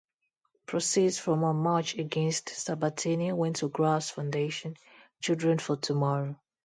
Proceeds from her match against Sabatini went to Graf's foundation, "Children for Tomorrow".